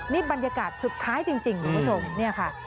นี่บรรยากาศสุดท้ายจริงที่เขาส่งนี่ค่ะ